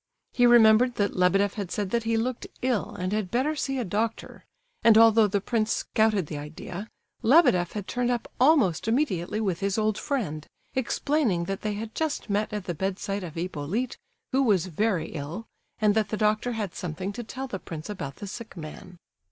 He remembered that Lebedeff had said that he looked ill, and had better see a doctor; and although the prince scouted the idea, Lebedeff had turned up almost immediately with his old friend, explaining that they had just met at the bedside of Hippolyte, who was very ill, and that the doctor had something to tell the prince about the sick man.